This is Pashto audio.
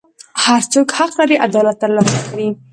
هر څوک حق لري عدالت ترلاسه کړي.